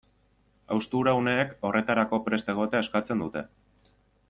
Haustura uneek horretarako prest egotea eskatzen dute.